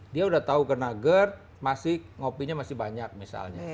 dia udah tahu kena gerd masih ngopinya masih banyak misalnya